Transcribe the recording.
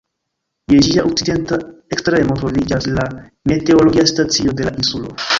Je ĝia okcidenta ekstremo troviĝas la meteologia stacio de la insulo.